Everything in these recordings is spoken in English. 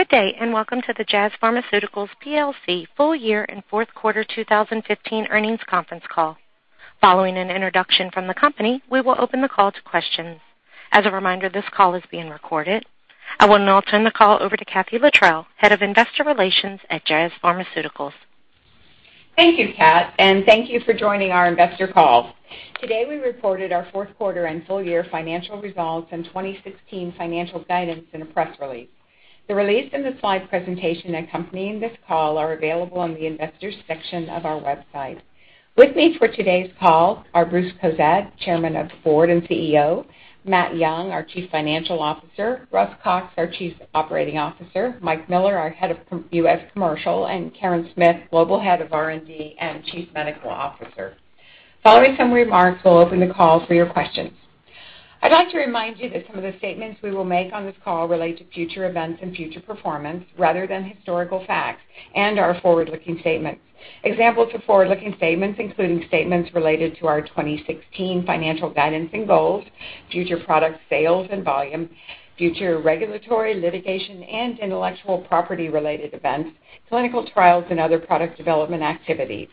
Good day, and welcome to the Jazz Pharmaceuticals PLC Full Year and Fourth Quarter 2015 Earnings Conference Call. Following an introduction from the company, we will open the call to questions. As a reminder, this call is being recorded. I will now turn the call over to Katherine Littrell, Head of Investor Relations at Jazz Pharmaceuticals. Thank you, Kat, and thank you for joining our investor call. Today, we reported our fourth quarter and full year financial results and 2016 financial guidance in a press release. The release and the slide presentation accompanying this call are available on the Investors section of our website. With me for today's call are Bruce Cozadd, Chairman of the Board and CEO, Matt Young, our Chief Financial Officer, Russ Cox, our Chief Operating Officer, Mike Miller, our Head of U.S. Commercial, and Karen Smith, Global Head of R&D and Chief Medical Officer. Following some remarks, we'll open the call for your questions. I'd like to remind you that some of the statements we will make on this call relate to future events and future performance rather than historical facts and are forward-looking statements. Examples of forward-looking statements including statements related to our 2016 financial guidance and goals, future product sales and volume, future regulatory, litigation, and intellectual property-related events, clinical trials, and other product development activities,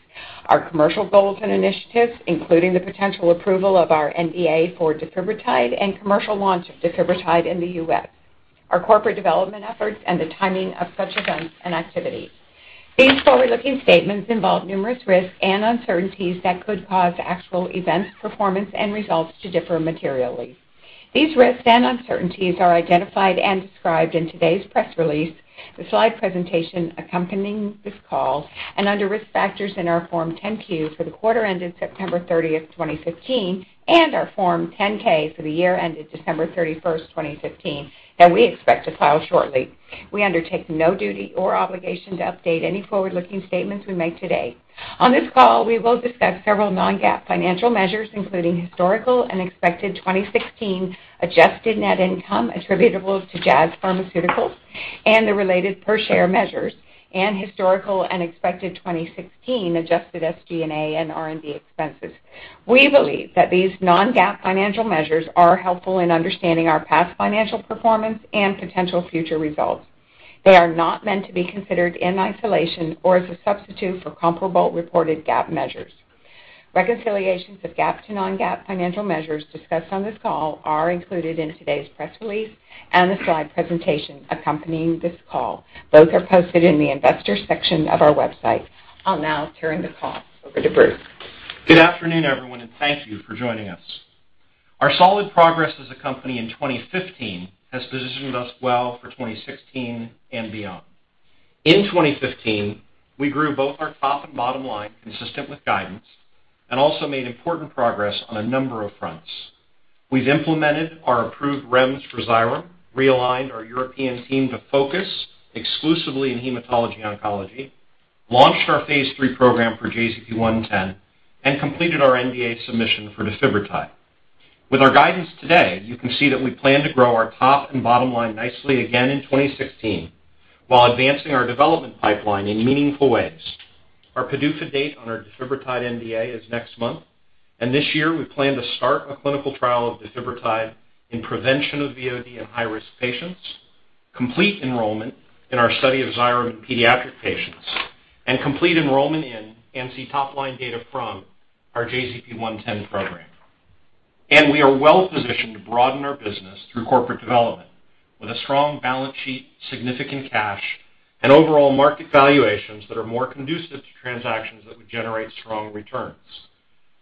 our commercial goals and initiatives, including the potential approval of our NDA for defibrotide and commercial launch of defibrotide in the U.S., our corporate development efforts, and the timing of such events and activities. These forward-looking statements involve numerous risks and uncertainties that could cause actual events, performance, and results to differ materially. These risks and uncertainties are identified and described in today's press release, the slide presentation accompanying this call, and under Risk Factors in our Form 10-Q for the quarter ended September 30th, 2015, and our Form 10-K for the year ended December 31st, 2015, that we expect to file shortly. We undertake no duty or obligation to update any forward-looking statements we make today. On this call, we will discuss several non-GAAP financial measures, including historical and expected 2016 adjusted net income attributable to Jazz Pharmaceuticals and the related per share measures and historical and expected 2016 adjusted SG&A and R&D expenses. We believe that these non-GAAP financial measures are helpful in understanding our past financial performance and potential future results. They are not meant to be considered in isolation or as a substitute for comparable reported GAAP measures. Reconciliations of GAAP to non-GAAP financial measures discussed on this call are included in today's press release and the slide presentation accompanying this call. Both are posted in the Investors section of our website. I'll now turn the call over to Bruce. Good afternoon, everyone, and thank you for joining us. Our solid progress as a company in 2015 has positioned us well for 2016 and beyond. In 2015, we grew both our top and bottom line consistent with guidance and also made important progress on a number of fronts. We've implemented our approved REMS for Xyrem, realigned our European team to focus exclusively in hematology oncology, launched our phase III program for JZP-110, and completed our NDA submission for defibrotide. With our guidance today, you can see that we plan to grow our top and bottom line nicely again in 2016 while advancing our development pipeline in meaningful ways. Our PDUFA date on our defibrotide NDA is next month, and this year we plan to start a clinical trial of defibrotide in prevention of VOD in high-risk patients, complete enrollment in our study of Xyrem in pediatric patients, and complete enrollment in and see top-line data from our JZP-110 program. We are well-positioned to broaden our business through corporate development with a strong balance sheet, significant cash, and overall market valuations that are more conducive to transactions that would generate strong returns.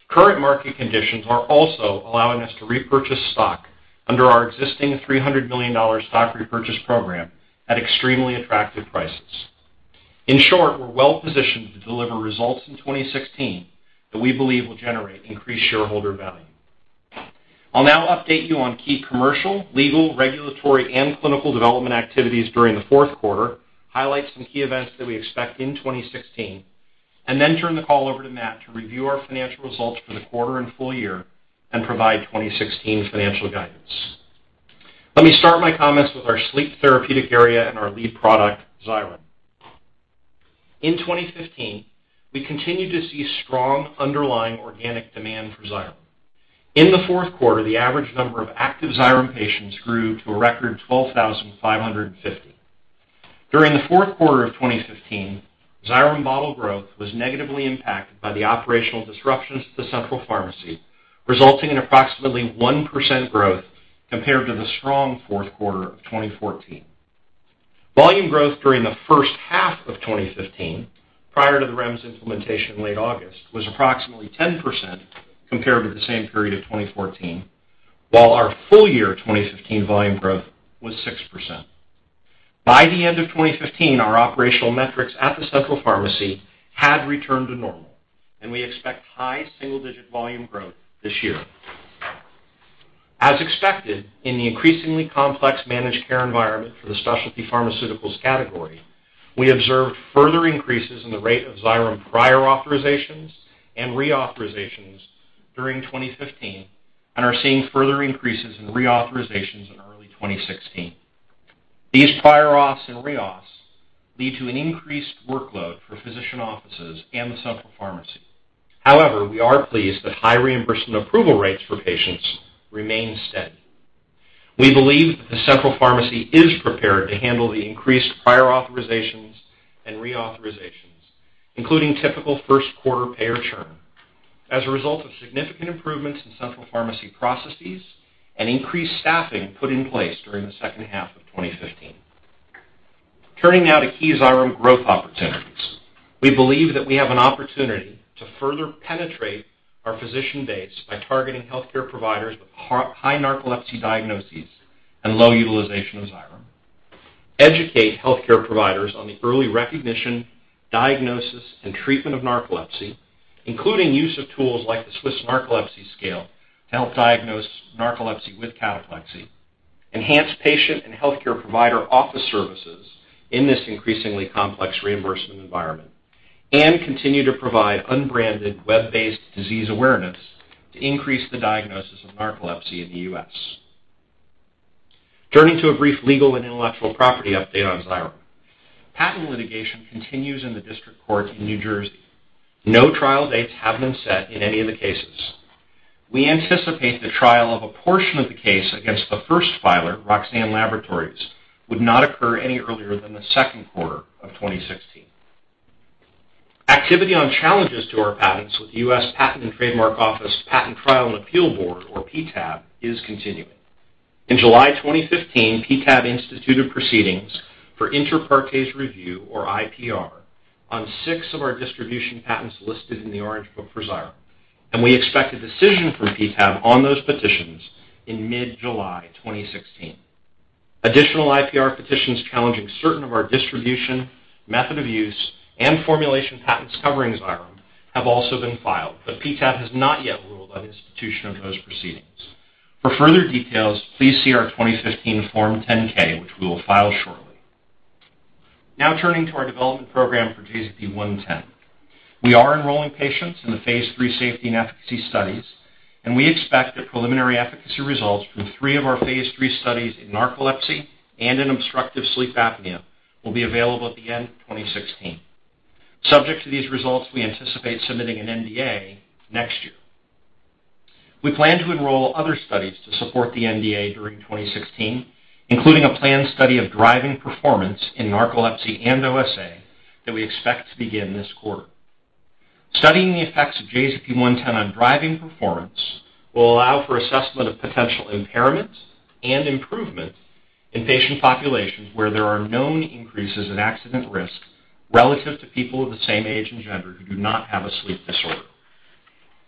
Current market conditions are also allowing us to repurchase stock under our existing $300 million stock repurchase program at extremely attractive prices. In short, we're well-positioned to deliver results in 2016 that we believe will generate increased shareholder value. I'll now update you on key commercial, legal, regulatory, and clinical development activities during the fourth quarter, highlight some key events that we expect in 2016, and then turn the call over to Matt to review our financial results for the quarter and full year and provide 2016 financial guidance. Let me start my comments with our sleep therapeutic area and our lead product, Xyrem. In 2015, we continued to see strong underlying organic demand for Xyrem. In the fourth quarter, the average number of active Xyrem patients grew to a record 12,550. During the fourth quarter of 2015, Xyrem bottle growth was negatively impacted by the operational disruptions to the central pharmacy, resulting in approximately 1% growth compared to the strong fourth quarter of 2014. Volume growth during the first half of 2015, prior to the REMS implementation in late August, was approximately 10% compared with the same period of 2014, while our full year 2015 volume growth was 6%. By the end of 2015, our operational metrics at the central pharmacy had returned to normal, and we expect high single-digit volume growth this year. As expected, in the increasingly complex managed care environment for the specialty pharmaceuticals category, we observed further increases in the rate of Xyrem prior authorizations and reauthorizations during 2015 and are seeing further increases in reauthorizations in early 2016. These prior auths and reauths lead to an increased workload for physician offices and the central pharmacy. However, we are pleased that high reimbursement approval rates for patients remain steady. We believe that the central pharmacy is prepared to handle the increased prior authorizations and reauthorizations, including typical first quarter payer churn as a result of significant improvements in central pharmacy processes and increased staffing put in place during the second half of 2015. Turning now to key Xyrem growth opportunities. We believe that we have an opportunity to further penetrate our physician base by targeting healthcare providers with high narcolepsy diagnoses and low utilization of Xyrem, educate healthcare providers on the early recognition, diagnosis, and treatment of narcolepsy, including use of tools like the Swiss Narcolepsy Scale to help diagnose narcolepsy with cataplexy, enhance patient and healthcare provider office services in this increasingly complex reimbursement environment, and continue to provide unbranded, web-based disease awareness to increase the diagnosis of narcolepsy in the U.S. Turning to a brief legal and intellectual property update on Xyrem. Patent litigation continues in the district court in New Jersey. No trial dates have been set in any of the cases. We anticipate the trial of a portion of the case against the first filer, Roxane Laboratories, would not occur any earlier than the second quarter of 2016. Activity on challenges to our patents with the US Patent and Trademark Office Patent Trial and Appeal Board, or PTAB, is continuing. In July 2015, PTAB instituted proceedings for inter partes review, or IPR, on six of our distribution patents listed in the Orange Book for Xyrem, and we expect a decision from PTAB on those petitions in mid-July 2016. Additional IPR petitions challenging certain of our distribution, method of use, and formulation patents covering Xyrem have also been filed, but PTAB has not yet ruled on institution of those proceedings. For further details, please see our 2015 Form 10-K, which we will file shortly. Now turning to our development program for JZP-110. We are enrolling patients in the phase III safety and efficacy studies, and we expect that preliminary efficacy results from three of our phase III studies in narcolepsy and in obstructive sleep apnea will be available at the end of 2016. Subject to these results, we anticipate submitting an NDA next year. We plan to enroll other studies to support the NDA during 2016, including a planned study of driving performance in narcolepsy and OSA that we expect to begin this quarter. Studying the effects of JZP-110 on driving performance will allow for assessment of potential impairment and improvement in patient populations where there are known increases in accident risk relative to people of the same age and gender who do not have a sleep disorder.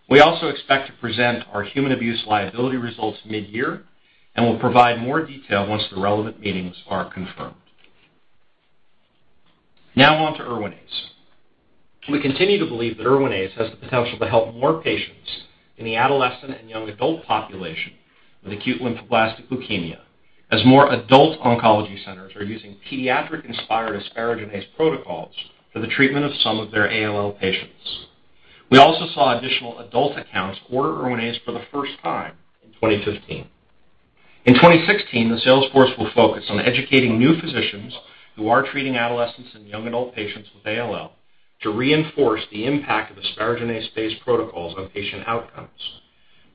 We also expect to present our human abuse liability results mid-year, and we'll provide more detail once the relevant meetings are confirmed. Now on to Erwinaze. We continue to believe that Erwinaze has the potential to help more patients in the adolescent and young adult population with acute lymphoblastic leukemia as more adult oncology centers are using pediatric-inspired asparaginase protocols for the treatment of some of their ALL patients. We also saw additional adult accounts order Erwinaze for the first time in 2015. In 2016, the sales force will focus on educating new physicians who are treating adolescents and young adult patients with ALL to reinforce the impact of asparaginase-based protocols on patient outcomes.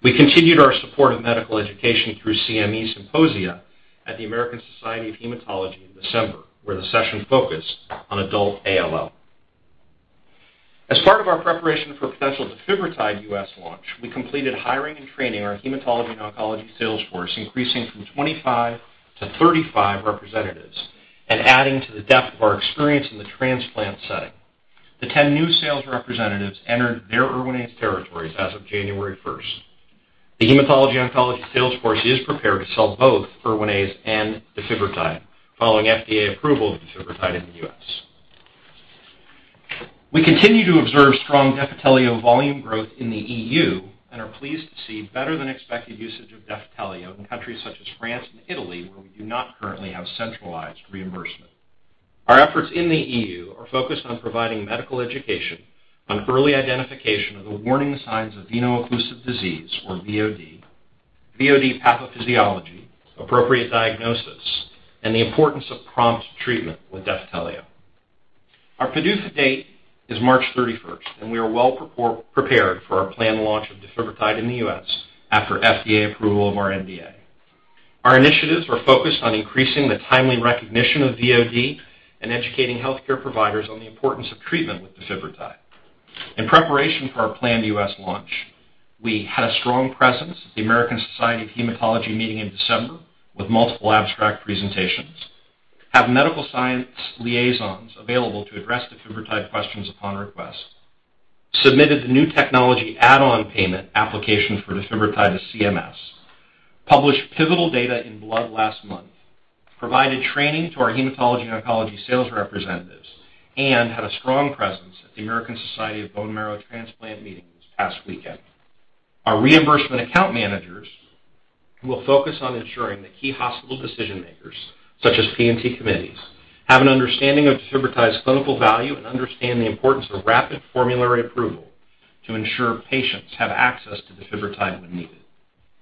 We continued our support of medical education through CME symposia at the American Society of Hematology in December, where the session focused on adult ALL. As part of our preparation for potential defibrotide U.S. launch, we completed hiring and training our hematology and oncology sales force, increasing from 25-35 representatives and adding to the depth of our experience in the transplant setting. The 10 new sales representatives entered their Erwinaze territories as of January 1st. The hematology oncology sales force is prepared to sell both Erwinaze and defibrotide following FDA approval of defibrotide in the U.S. We continue to observe strong Defitelio volume growth in the EU and are pleased to see better than expected usage of Defitelio in countries such as France and Italy, where we do not currently have centralized reimbursement. Our efforts in the EU are focused on providing medical education on early identification of the warning signs of veno-occlusive disease, or VOD pathophysiology, appropriate diagnosis, and the importance of prompt treatment with Defitelio. Our PDUFA date is March 31st, and we are well prepared for our planned launch of defibrotide in the U.S. after FDA approval of our NDA. Our initiatives are focused on increasing the timely recognition of VOD and educating healthcare providers on the importance of treatment with defibrotide. In preparation for our planned U.S. launch, we had a strong presence at the American Society of Hematology meeting in December with multiple abstract presentations, have medical science liaisons available to address defibrotide questions upon request, submitted the new technology add-on payment application for defibrotide to CMS, published pivotal data in Blood last month, provided training to our hematology and oncology sales representatives, and had a strong presence at the American Society for Bone Marrow Transplant meeting this past weekend. Our reimbursement account managers will focus on ensuring that key hospital decision makers, such as P&T committees, have an understanding of defibrotide's clinical value and understand the importance of rapid formulary approval to ensure patients have access to defibrotide when needed.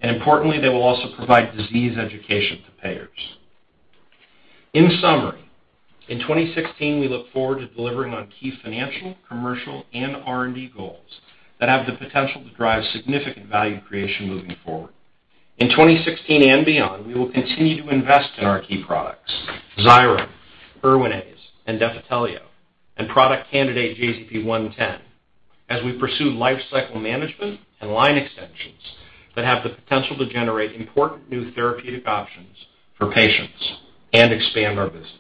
Importantly, they will also provide disease education to payers. In summary, in 2016, we look forward to delivering on key financial, commercial, and R&D goals that have the potential to drive significant value creation moving forward. In 2016 and beyond, we will continue to invest in our key products, Xyrem, Erwinaze, and Defitelio, and product candidate JZP-110 as we pursue lifecycle management and line extensions that have the potential to generate important new therapeutic options for patients and expand our business.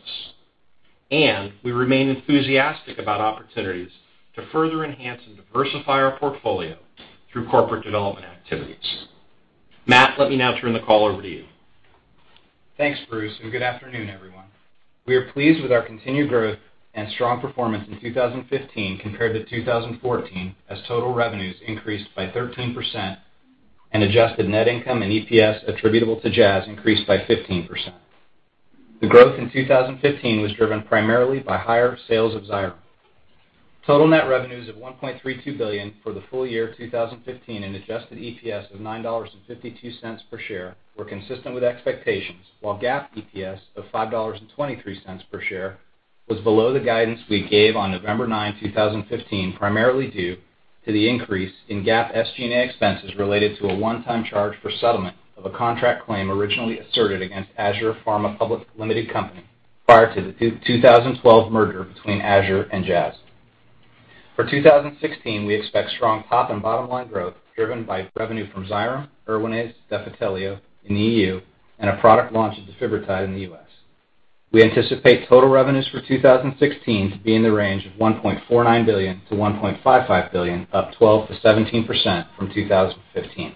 We remain enthusiastic about opportunities to further enhance and diversify our portfolio through corporate development activities. Matt, let me now turn the call over to you. Thanks, Bruce, and good afternoon, everyone. We are pleased with our continued growth and strong performance in 2015 compared to 2014, as total revenues increased by 13% and adjusted net income and EPS attributable to Jazz increased by 15%. The growth in 2015 was driven primarily by higher sales of Xyrem. Total net revenues of $1.32 billion for the full year 2015 and adjusted EPS of $9.52 per share were consistent with expectations, while GAAP EPS of $5.23 per share was below the guidance we gave on November 9th, 2015, primarily due to the increase in GAAP SG&A expenses related to a one-time charge for settlement of a contract claim originally asserted against Azur Pharma Public Limited Company prior to the 2012 merger between Azur and Jazz. For 2016, we expect strong top and bottom line growth driven by revenue from Xyrem, Erwinaze, Defitelio in the EU, and a product launch of defibrotide in the U.S.. We anticipate total revenues for 2016 to be in the range of $1.49 billion-$1.55 billion, up 12%-17% from 2015.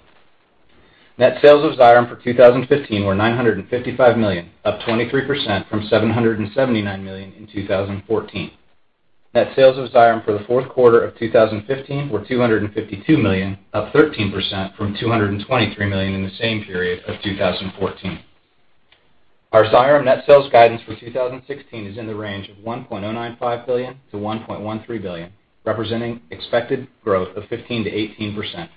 Net sales of Xyrem for 2015 were $955 million, up 23% from $779 million in 2014. Net sales of Xyrem for the fourth quarter of 2015 were $252 million, up 13% from $223 million in the same period of 2014. Our Xyrem net sales guidance for 2016 is in the range of $1.095 billion-$1.13 billion, representing expected growth of 15%-18%.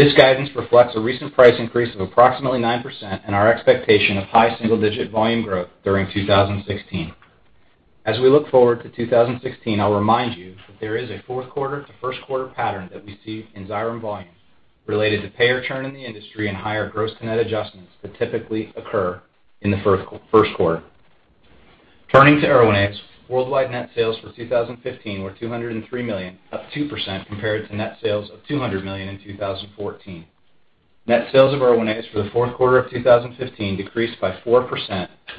This guidance reflects a recent price increase of approximately 9% and our expectation of high single-digit volume growth during 2016. As we look forward to 2016, I'll remind you that there is a fourth quarter to first quarter pattern that we see in Xyrem volumes related to payer churn in the industry and higher gross to net adjustments that typically occur in the first quarter. Turning to Erwinaze, worldwide net sales for 2015 were $203 million, up 2% compared to net sales of $200 million in 2014. Net sales of Erwinaze for the fourth quarter of 2015 decreased by 4%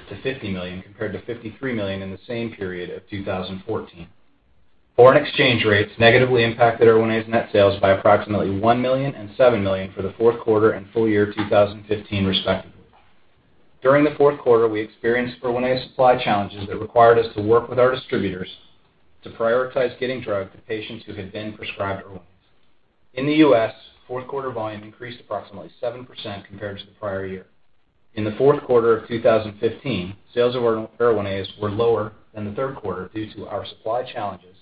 to $50 million, compared to $53 million in the same period of 2014. Foreign exchange rates negatively impacted Erwinaze net sales by approximately $1 million and $7 million for the fourth quarter and full year 2015, respectively. During the fourth quarter, we experienced Erwinaze supply challenges that required us to work with our distributors to prioritize getting drug to patients who had been prescribed Erwinaze. In the U.S., fourth quarter volume increased approximately 7% compared to the prior year. In the fourth quarter of 2015, sales of Erwinaze were lower than the third quarter due to our supply challenges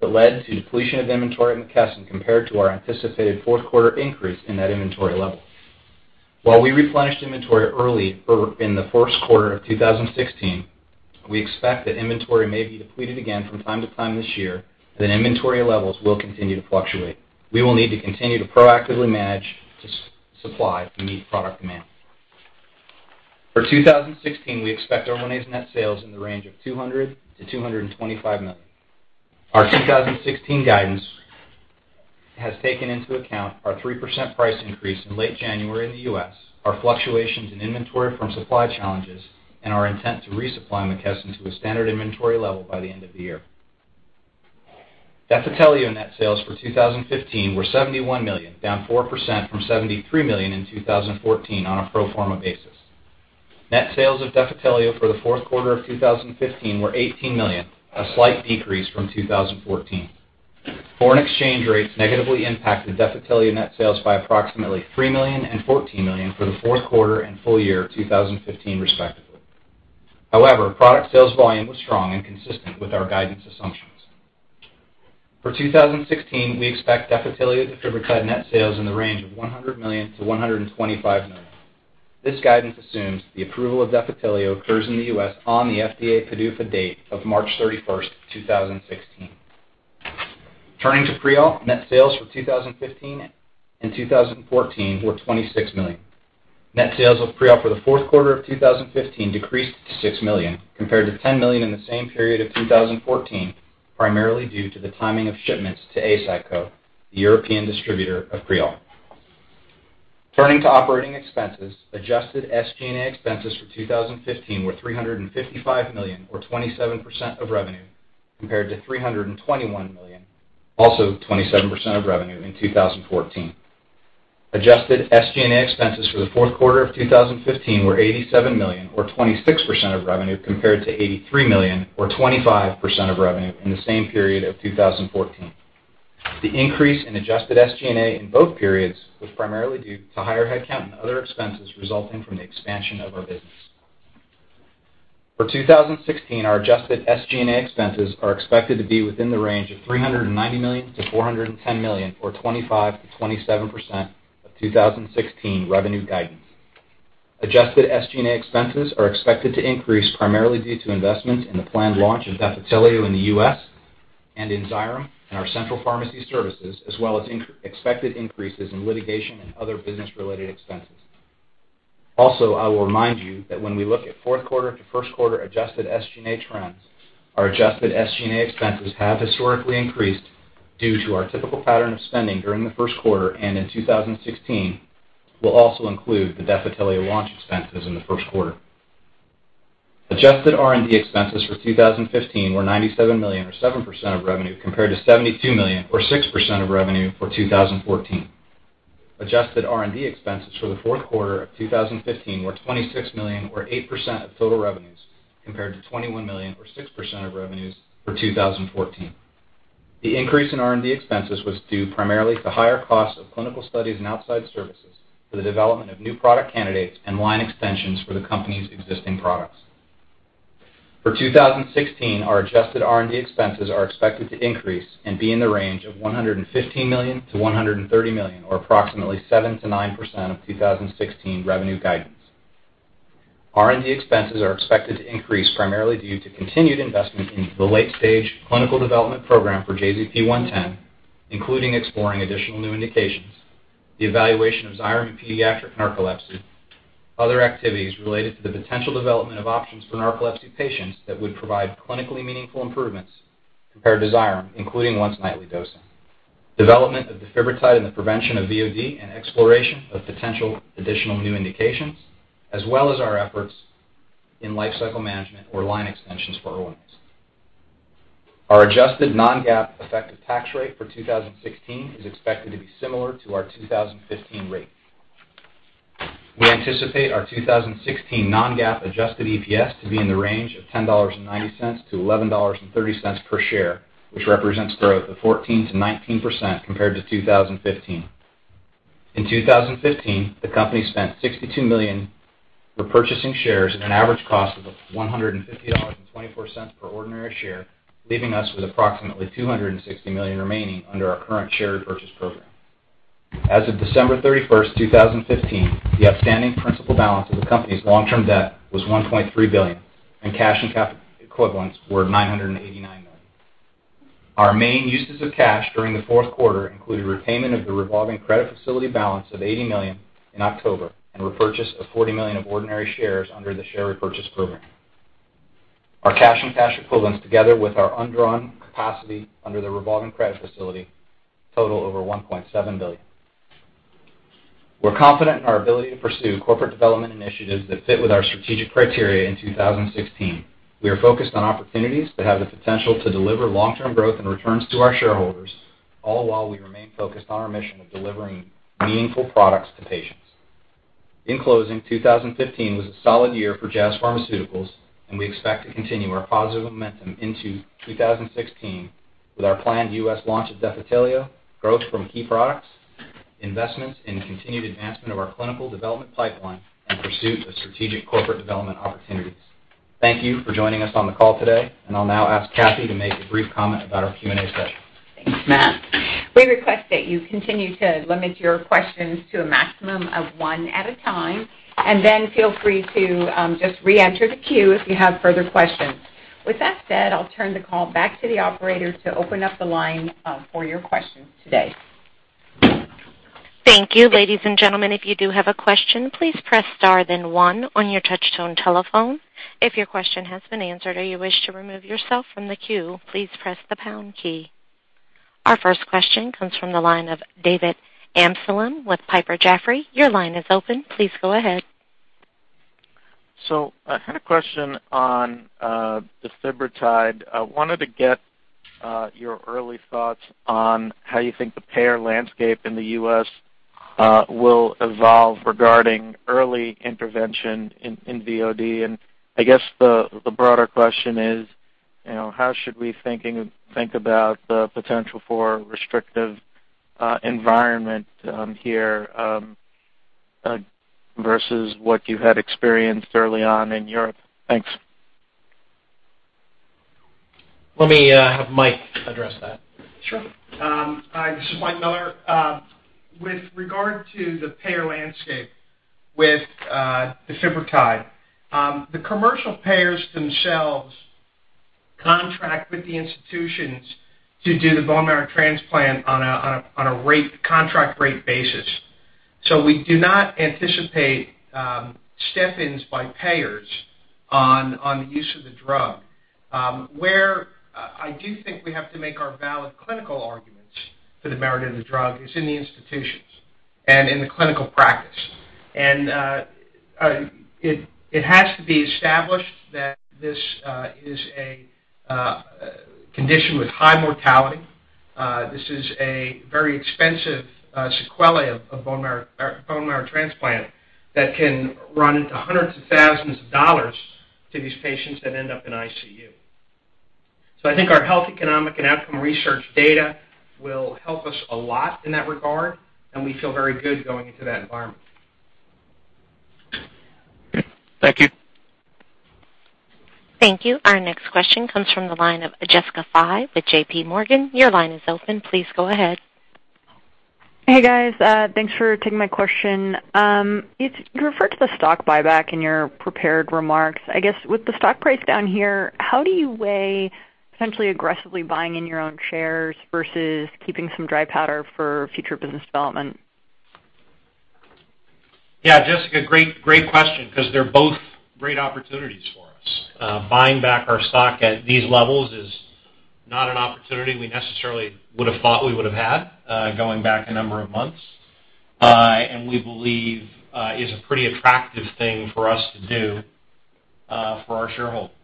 that led to depletion of inventory at McKesson compared to our anticipated fourth quarter increase in that inventory level. While we replenished inventory early in the first quarter of 2016, we expect that inventory may be depleted again from time to time this year, and that inventory levels will continue to fluctuate. We will need to continue to proactively manage supply to meet product demand. For 2016, we expect Erwinaze net sales in the range of $200 million-$225 million. Our 2016 guidance has taken into account our 3% price increase in late January in the U.S., our fluctuations in inventory from supply challenges, and our intent to resupply McKesson to a standard inventory level by the end of the year. Defitelio net sales for 2015 were $71 million, down 4% from $73 million in 2014 on a pro forma basis. Net sales of Defitelio for the fourth quarter of 2015 were $18 million, a slight decrease from 2014. Foreign exchange rates negatively impacted Defitelio net sales by approximately $3 million and $14 million for the fourth quarter and full year 2015, respectively. However, product sales volume was strong and consistent with our guidance assumptions. For 2016, we expect Defitelio and defibrotide net sales in the range of $100 million-$125 million. This guidance assumes the approval of Defitelio occurs in the U.S. on the FDA PDUFA date of March 31st, 2016. Turning to Prialt, net sales for 2015 and 2014 were $26 million. Net sales of Prialt for the fourth quarter of 2015 decreased to $6 million, compared to $10 million in the same period of 2014, primarily due to the timing of shipments to Eisai, the European distributor of Prialt. Turning to operating expenses, adjusted SG&A expenses for 2015 were $355 million or 27% of revenue, compared to $321 million, also 27% of revenue in 2014. Adjusted SG&A expenses for the fourth quarter of 2015 were $87 million or 26% of revenue, compared to $83 million or 25% of revenue in the same period of 2014. The increase in adjusted SG&A in both periods was primarily due to higher headcount and other expenses resulting from the expansion of our business. For 2016, our adjusted SG&A expenses are expected to be within the range of $390 million-$410 million or 25%-27% of 2016 revenue guidance. Adjusted SG&A expenses are expected to increase primarily due to investment in the planned launch of Defitelio in the U.S. and in Xyrem and our central pharmacy services, as well as expected increases in litigation and other business-related expenses. Also, I will remind you that when we look at fourth quarter to first quarter adjusted SG&A trends, our adjusted SG&A expenses have historically increased due to our typical pattern of spending during the first quarter, and in 2016 will also include the Defitelio launch expenses in the first quarter. Adjusted R&D expenses for 2015 were $97 million, or 7% of revenue, compared to $72 million or 6% of revenue for 2014. Adjusted R&D expenses for the fourth quarter of 2015 were $26 million or 8% of total revenues, compared to $21 million or 6% of revenues for 2014. The increase in R&D expenses was due primarily to the higher cost of clinical studies and outside services for the development of new product candidates and line extensions for the company's existing products. For 2016, our adjusted R&D expenses are expected to increase and be in the range of $115 million-$130 million, or approximately 7%-9% of 2016 revenue guidance. R&D expenses are expected to increase primarily due to continued investment into the late-stage clinical development program for JZP-110, including exploring additional new indications, the evaluation of Xyrem in pediatric narcolepsy, other activities related to the potential development of options for narcolepsy patients that would provide clinically meaningful improvements compared to Xyrem, including once-nightly dosing, development of defibrotide in the prevention of VOD, and exploration of potential additional new indications, as well as our efforts in life cycle management or line extensions for Erwinaze. Our adjusted non-GAAP effective tax rate for 2016 is expected to be similar to our 2015 rate. We anticipate our 2016 non-GAAP adjusted EPS to be in the range of $10.90-$11.30 per share, which represents growth of 14%-19% compared to 2015. In 2015, the company spent $62 million repurchasing shares at an average cost of $150.24 per ordinary share, leaving us with approximately $260 million remaining under our current share repurchase program. As of December 31st, 2015, the outstanding principal balance of the company's long-term debt was $1.3 billion, and cash and cash equivalents were $989 million. Our main uses of cash during the fourth quarter included repayment of the revolving credit facility balance of $80 million in October and repurchase of $40 million of ordinary shares under the share repurchase program. Our cash and cash equivalents, together with our undrawn capacity under the revolving credit facility, total over $1.7 billion. We're confident in our ability to pursue corporate development initiatives that fit with our strategic criteria in 2016. We are focused on opportunities that have the potential to deliver long-term growth and returns to our shareholders, all while we remain focused on our mission of delivering meaningful products to patients. In closing, 2015 was a solid year for Jazz Pharmaceuticals, and we expect to continue our positive momentum into 2016 with our planned U.S. launch of Defitelio, growth from key products, investments in the continued advancement of our clinical development pipeline, and pursuit of strategic corporate development opportunities. Thank you for joining us on the call today, and I'll now ask Kathee to make a brief comment about our Q&A session. Thanks, Matt. We request that you continue to limit your questions to a maximum of one at a time, and then feel free to just reenter the queue if you have further questions. With that said, I'll turn the call back to the operator to open up the line for your questions today. Thank you. Ladies and gentlemen, if you do have a question, please press star then one on your touchtone telephone. If your question has been answered or you wish to remove yourself from the queue, please press the pound key. Our first question comes from the line of David Amsellem with Piper Jaffray. Your line is open. Please go ahead. I had a question on defibrotide. I wanted to get your early thoughts on how you think the payer landscape in the U.S. will evolve regarding early intervention in VOD. I guess the broader question is, how should we think about the potential for restrictive environment here versus what you had experienced early on in Europe? Thanks. Let me have Mike address that. Sure. Hi, this is Michael Miller. With regard to the payer landscape with defibrotide, the commercial payers themselves contract with the institutions to do the bone marrow transplant on a contract rate basis. We do not anticipate step-ins by payers on the use of the drug. Where I do think we have to make our valid clinical arguments for the merit of the drug is in the institutions and in the clinical practice. It has to be established that this is a condition with high mortality. This is a very expensive sequela of bone marrow transplant that can run into hundreds of thousands of dollars to these patients that end up in ICU. I think our health, economic, and outcome research data will help us a lot in that regard, and we feel very good going into that environment. Thank you. Thank you. Our next question comes from the line of Jessica Fye with JPMorgan. Your line is open. Please go ahead. Hey, guys. Thanks for taking my question. You referred to the stock buyback in your prepared remarks. I guess with the stock price down here, how do you weigh potentially aggressively buying in your own shares versus keeping some dry powder for future business development? Yeah, Jessica, great question 'cause they're both great opportunities for us. Buying back our stock at these levels is not an opportunity we necessarily would have thought we would have had, going back a number of months. We believe it is a pretty attractive thing for us to do, for our shareholders.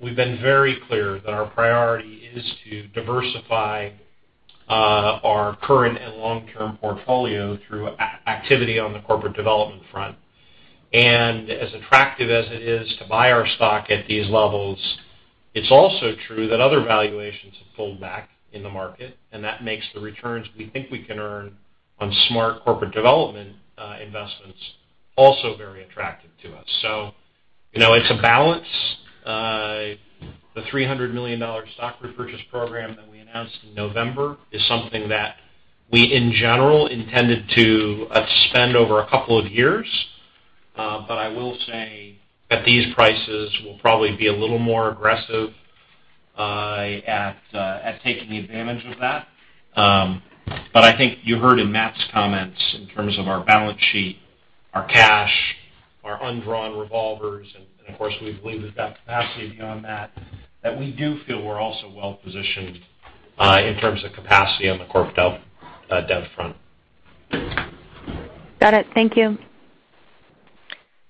We've been very clear that our priority is to diversify our current and long-term portfolio through activity on the corporate development front. As attractive as it is to buy our stock at these levels, it's also true that other valuations have pulled back in the market, and that makes the returns we think we can earn on smart corporate development investments also very attractive to us. You know, it's a balance. The $300 million stock repurchase program that we announced in November is something that we, in general, intended to spend over a couple of years. I will say, at these prices, we'll probably be a little more aggressive at taking advantage of that. I think you heard in Matt's comments in terms of our balance sheet, our cash, our undrawn revolvers, and of course, we believe we've got capacity beyond that we do feel we're also well-positioned in terms of capacity on the corp dev front. Got it. Thank you.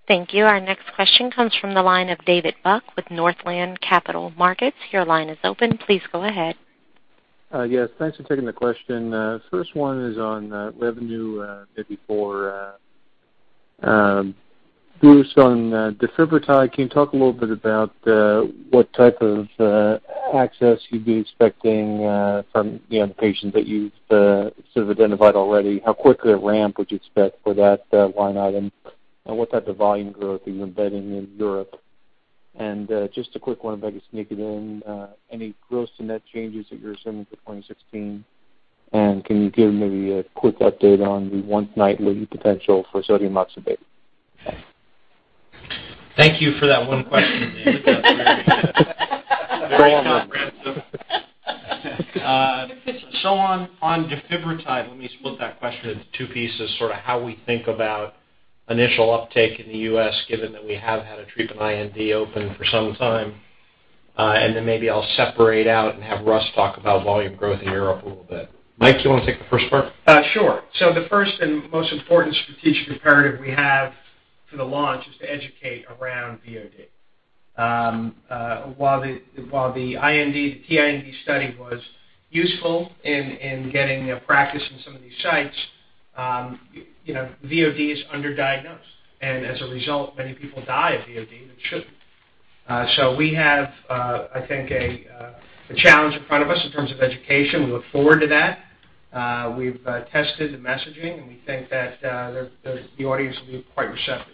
Thank you. Our next question comes from the line of David Buck with Northland Capital Markets. Your line is open. Please go ahead. Yes, thanks for taking the question. First one is on revenue, maybe for Bruce on defibrotide. Can you talk a little bit about what type of access you'd be expecting from, you know, the patients that you've sort of identified already? How quickly a ramp would you expect for that line item? And what type of volume growth are you embedding in Europe? And just a quick one if I could sneak it in. Any gross to net changes that you're assuming for 2016? And can you give maybe a quick update on the once nightly potential for sodium oxybate? Thank you for that one question, David. That was very, very comprehensive. On defibrotide, let me split that question into two pieces, sort of how we think about initial uptake in the U.S., given that we have had a treatment IND open for some time. Maybe I'll separate out and have Russ talk about volume growth in Europe a little bit. Mike, do you wanna take the first part? Sure. The first and most important strategic imperative we have for the launch is to educate around VOD. While the IND, the PIND study was useful in getting a practice in some of these sites, you know, VOD is underdiagnosed, and as a result, many people die of VOD that shouldn't. We have, I think a challenge in front of us in terms of education. We look forward to that. We've tested the messaging, and we think that the audience will be quite receptive.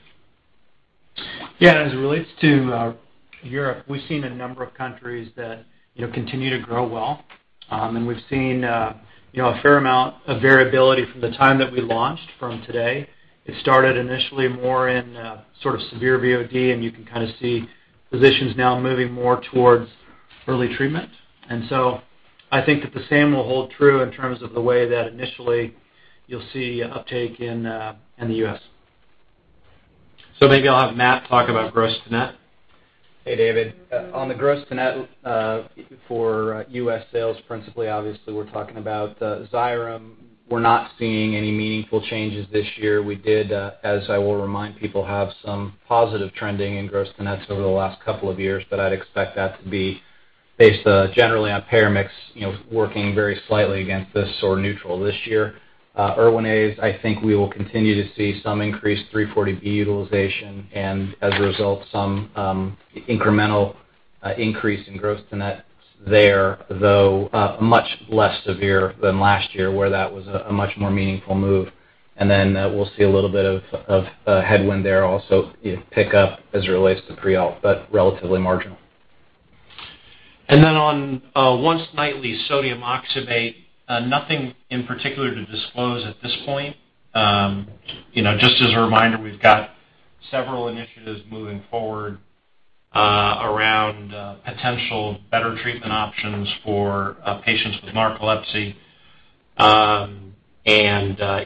Yeah, as it relates to Europe, we've seen a number of countries that, you know, continue to grow well. We've seen, you know, a fair amount of variability from the time that we launched from today. It started initially more in sort of severe VOD, and you can kinda see physicians now moving more towards early treatment. I think that the same will hold true in terms of the way that initially you'll see uptake in the U.S. Maybe I'll have Matt talk about gross to net. Hey, David. On the gross to net for U.S. sales, principally, obviously, we're talking about Xyrem. We're not seeing any meaningful changes this year. We did, as I will remind people, have some positive trending in gross to nets over the last couple of years, but I'd expect that to be based generally on payer mix, you know, working very slightly against this or neutral this year. Erwinaze, I think we will continue to see some increased 340B utilization and as a result, some incremental increase in gross to nets there, though much less severe than last year, where that was a much more meaningful move. We'll see a little bit of headwind there also pick up as it relates to pre-op, but relatively marginal. On once-nightly sodium oxybate, nothing in particular to disclose at this point. You know, just as a reminder, we've got several initiatives moving forward around potential better treatment options for patients with narcolepsy. It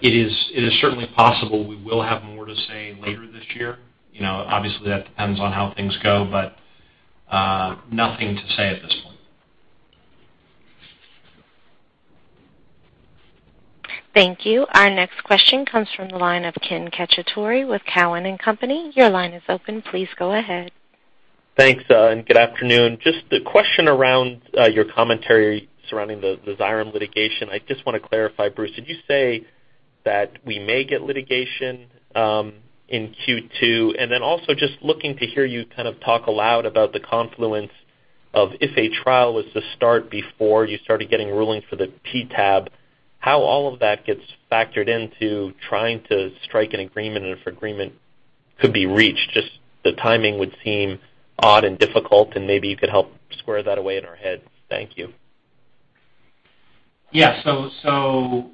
is certainly possible we will have more to say later this year. You know, obviously, that depends on how things go, but nothing to say at this point. Thank you. Our next question comes from the line of Ken Cacciatore with Cowen and Company. Your line is open. Please go ahead. Thanks, good afternoon. Just a question around your commentary surrounding the Xyrem litigation. I just wanna clarify, Bruce, did you say that we may get litigation in Q2? Also just looking to hear you kind of talk aloud about the confluence, if a trial was to start before you started getting rulings for the PTAB, how all of that gets factored into trying to strike an agreement and if agreement could be reached, just the timing would seem odd and difficult, and maybe you could help square that away in our head. Thank you. Yeah.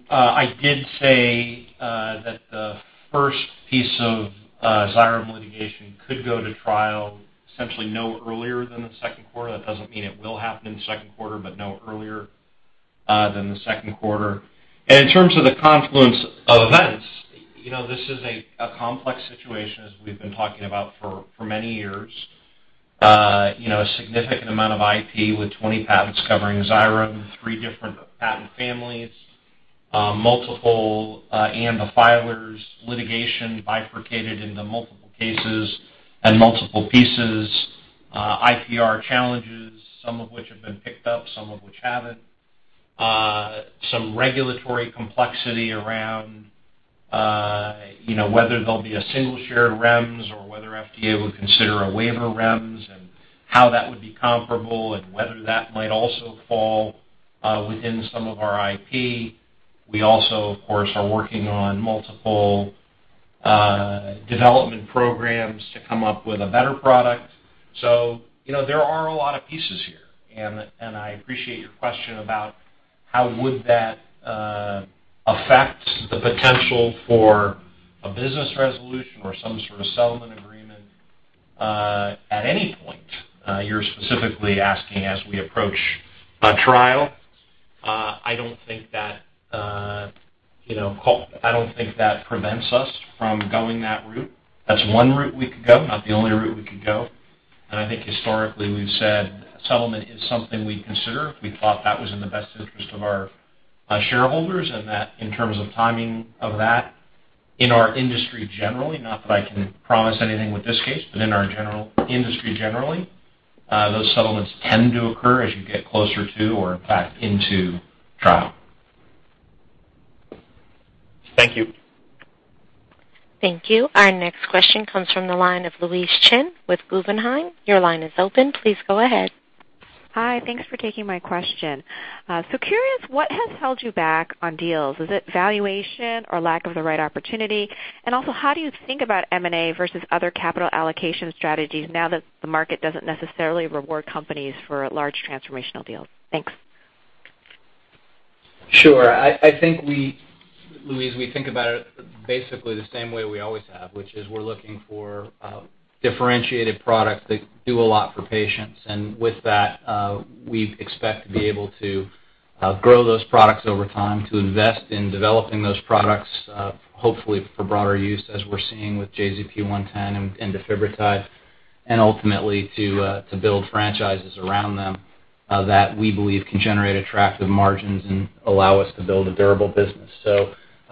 I did say that the first piece of Xyrem litigation could go to trial essentially no earlier than the second quarter. That doesn't mean it will happen in the second quarter, but no earlier than the second quarter. In terms of the confluence of events, you know, this is a complex situation, as we've been talking about for many years. You know, a significant amount of IP with 20 patents covering Xyrem, three different patent families. Multiple ANDA filers, litigation bifurcated into multiple cases and multiple pieces, IPR challenges, some of which have been picked up, some of which haven't. Some regulatory complexity around, you know, whether there'll be a single shared REMS or whether FDA would consider a waiver REMS and how that would be comparable and whether that might also fall within some of our IP. We also, of course, are working on multiple development programs to come up with a better product. So, you know, there are a lot of pieces here, and I appreciate your question about how would that affect the potential for a business resolution or some sort of settlement agreement at any point. You're specifically asking as we approach a trial. I don't think that, you know, I don't think that prevents us from going that route. That's one route we could go, not the only route we could go. I think historically we've said settlement is something we'd consider if we thought that was in the best interest of our shareholders, and that in terms of timing of that in our industry generally, not that I can promise anything with this case, but in our industry generally, those settlements tend to occur as you get closer to or in fact into trial. Thank you. Thank you. Our next question comes from the line of Louise Chen with Guggenheim. Your line is open. Please go ahead. Hi. Thanks for taking my question. Curious, what has held you back on deals? Is it valuation or lack of the right opportunity? Also how do you think about M&A versus other capital allocation strategies now that the market doesn't necessarily reward companies for large transformational deals? Thanks. Sure. I think we, Louise, we think about it basically the same way we always have, which is we're looking for differentiated products that do a lot for patients. With that, we expect to be able to grow those products over time, to invest in developing those products, hopefully for broader use as we're seeing with JZP-110 and defibrotide, and ultimately to build franchises around them that we believe can generate attractive margins and allow us to build a durable business.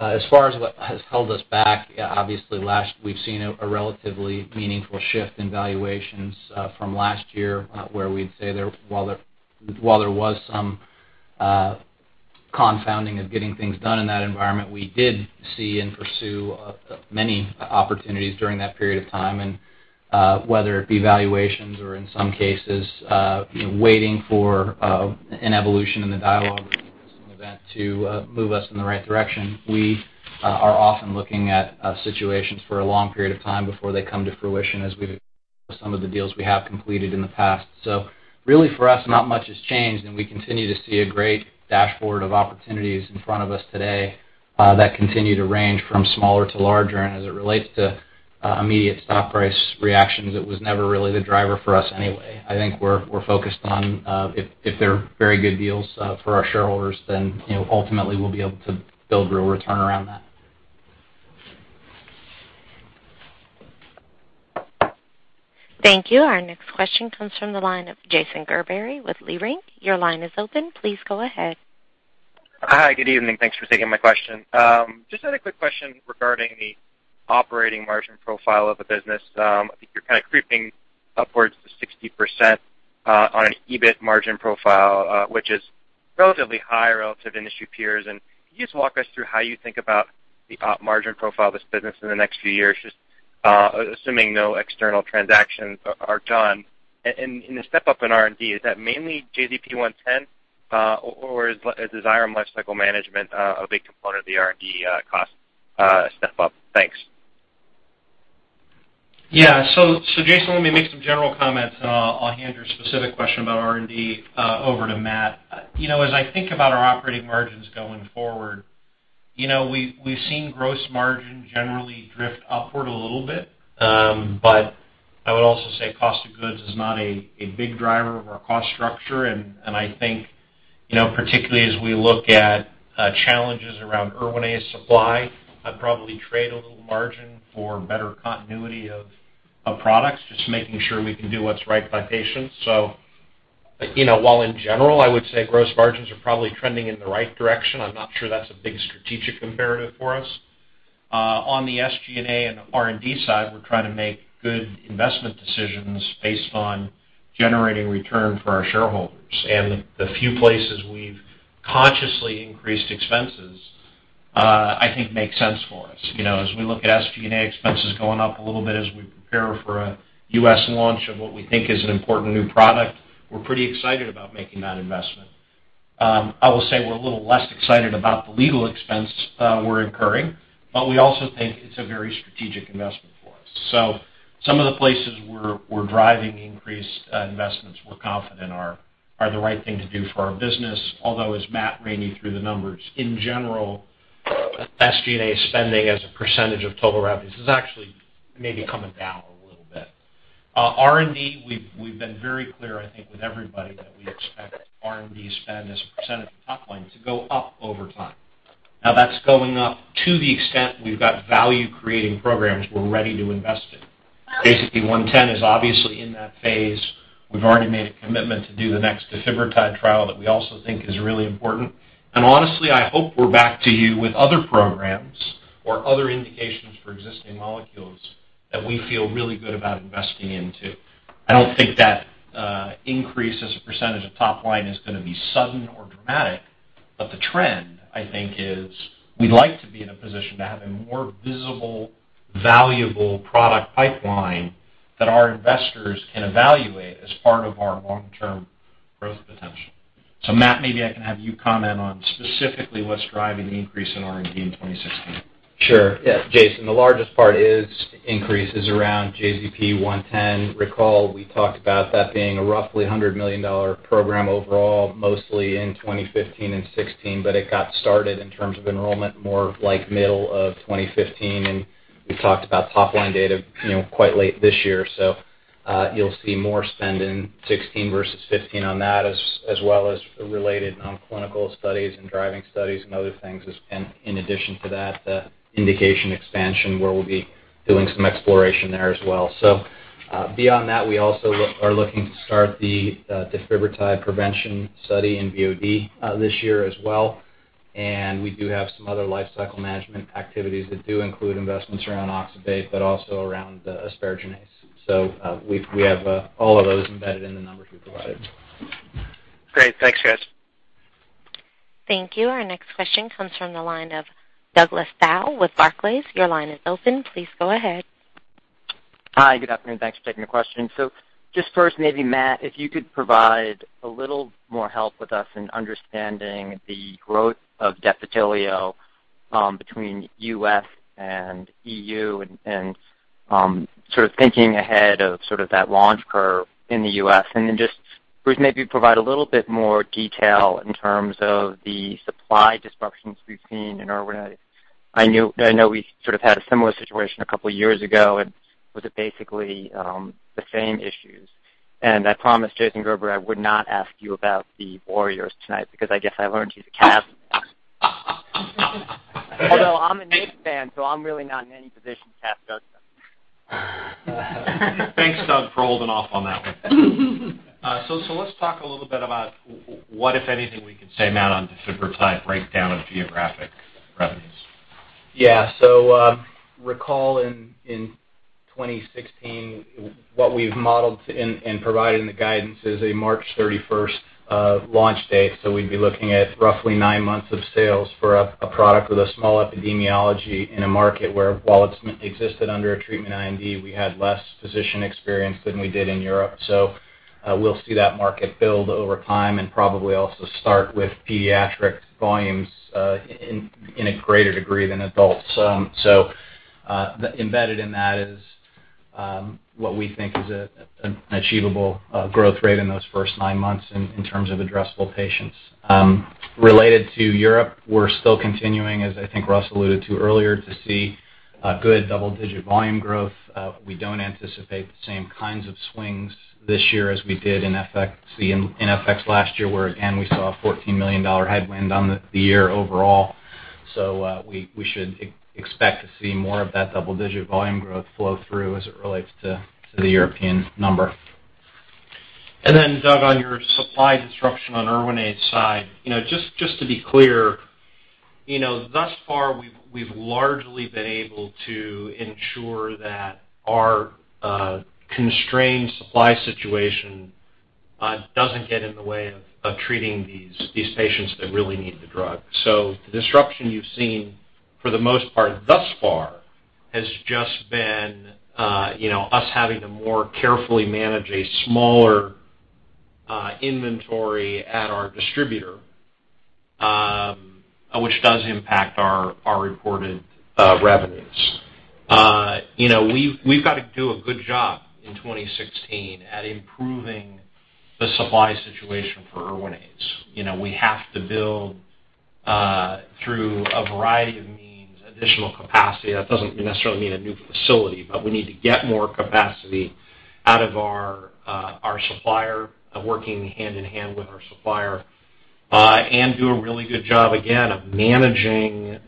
As far as what has held us back, obviously we've seen a relatively meaningful shift in valuations from last year, where we'd say while there was some confounding of getting things done in that environment, we did see and pursue many opportunities during that period of time. Whether it be valuations or in some cases, you know, waiting for an evolution in the dialogue in this event to move us in the right direction, we are often looking at situations for a long period of time before they come to fruition, as we've seen some of the deals we have completed in the past. Really for us, not much has changed, and we continue to see a great dashboard of opportunities in front of us today that continue to range from smaller to larger. As it relates to immediate stock price reactions, it was never really the driver for us anyway. I think we're focused on if they're very good deals for our shareholders, then, you know, ultimately we'll be able to build real return around that. Thank you. Our next question comes from the line of Jason Gerberry with Leerink. Your line is open. Please go ahead. Hi. Good evening. Thanks for taking my question. Just had a quick question regarding the operating margin profile of the business. I think you're kind of creeping upwards to 60% on an EBITDA margin profile, which is relatively high relative to industry peers. Can you just walk us through how you think about the op margin profile of this business in the next few years, just assuming no external transactions are done. The step-up in R&D, is that mainly JZP-110, or is Xyrem lifecycle management a big component of the R&D cost step-up? Thanks. Yeah. Jason, let me make some general comments. I'll hand your specific question about R&D over to Matt. You know, as I think about our operating margins going forward, you know, we've seen gross margin generally drift upward a little bit. But I would also say cost of goods is not a big driver of our cost structure. And I think, you know, particularly as we look at challenges around Erwinaze's supply, I'd probably trade a little margin for better continuity of products, just making sure we can do what's right by patients. You know, while in general, I would say gross margins are probably trending in the right direction, I'm not sure that's a big strategic imperative for us. On the SG&A and the R&D side, we're trying to make good investment decisions based on generating return for our shareholders. The few places we've consciously increased expenses, I think makes sense for us. You know, as we look at SG&A expenses going up a little bit as we prepare for a U.S. launch of what we think is an important new product, we're pretty excited about making that investment. I will say we're a little less excited about the legal expense we're incurring, but we also think it's a very strategic investment for us. Some of the places we're driving increased investments we're confident are the right thing to do for our business. Although as Matt ran you through the numbers, in general, SG&A spending as a percentage of total revenues is actually maybe coming down a little bit. R&D, we've been very clear, I think with everybody that we expect R&D spend as a percentage of top line to go up over time. Now that's going up to the extent we've got value creating programs we're ready to invest in. Basically, JZP-110 is obviously in that phase. We've already made a commitment to do the next defibrotide trial that we also think is really important. Honestly, I hope we're back to you with other programs or other indications for existing molecules that we feel really good about investing into. I don't think that increase as a percentage of top line is gonna be sudden or dramatic, but the trend, I think, is we'd like to be in a position to have a more visible, valuable product pipeline that our investors can evaluate as part of our long-term growth potential. Matt, maybe I can have you comment on specifically what's driving the increase in R&D in 2016. Sure. Yes, Jason, the largest part is increases around JZP-110. Recall we talked about that being a roughly $100 million program overall, mostly in 2015 and 2016, but it got started in terms of enrollment more of like middle of 2015, and we talked about top line data, you know, quite late this year. You'll see more spend in 2016 versus 2015 on that as well as related non-clinical studies and driving studies and other things in addition to that, indication expansion, where we'll be doing some exploration there as well. Beyond that, we also are looking to start the defibrotide prevention study in VOD this year as well. We do have some other life cycle management activities that do include investments around oxybate, but also around the asparaginase. We have all of those embedded in the numbers we provided. Great. Thanks, guys. Thank you. Our next question comes from the line of Douglas Tsao with Barclays. Your line is open. Please go ahead. Hi. Good afternoon. Thanks for taking the question. Just first, maybe Matt, if you could provide a little more help with us in understanding the growth of Defitelio between U.S. and EU and sort of thinking ahead of sort of that launch curve in the U.S. Just please maybe provide a little bit more detail in terms of the supply disruptions we've seen in Erwinaze. I know we sort of had a similar situation a couple years ago, and was it basically the same issues? I promised Jason Gerberry I would not ask you about the Warriors tonight because I guess I learned he's a Cavs fan. Although I'm a Knicks fan, so I'm really not in any position to have judgment. Thanks, Doug, for holding off on that one. Let's talk a little bit about what, if anything, we can say now on defibrotide breakdown of geographic revenues. Yeah. Recall in 2016 what we've modeled to and provided in the guidance is a March 31st launch date. We'd be looking at roughly nine months of sales for a product with a small epidemiology in a market where while it's existed under a treatment IND, we had less physician experience than we did in Europe. We'll see that market build over time and probably also start with pediatric volumes in a greater degree than adults. The embedded in that is what we think is an achievable growth rate in those first nine months in terms of addressable patients. Related to Europe, we're still continuing, as I think Russ alluded to earlier, to see good double-digit volume growth. We don't anticipate the same kinds of swings this year as we did in FX in FX last year, where again, we saw a $14 million headwind on the year overall. We should expect to see more of that double-digit volume growth flow through as it relates to the European number. Doug, on your supply disruption on Erwinaze side, you know, just to be clear, you know, thus far we've largely been able to ensure that our constrained supply situation doesn't get in the way of treating these patients that really need the drug. The disruption you've seen for the most part thus far has just been you know us having to more carefully manage a smaller inventory at our distributor, which does impact our reported revenues. We've got to do a good job in 2016 at improving the supply situation for Erwinaze. You know, we have to build through a variety of means, additional capacity. That doesn't necessarily mean a new facility, but we need to get more capacity out of our supplier, working hand in hand with our supplier, and do a really good job again of managing